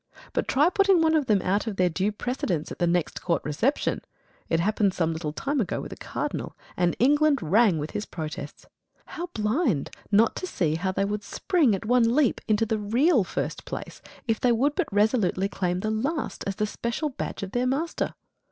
But try putting one of them out of their due precedence at the next Court reception. It happened some little time ago with a Cardinal, and England rang with his protests. How blind not to see how they would spring at one leap into the real first place if they would but resolutely claim the last as the special badge of their master!